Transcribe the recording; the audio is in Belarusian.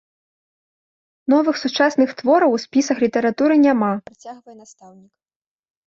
Новых сучасных твораў у спісах літаратуры няма, працягвае настаўнік.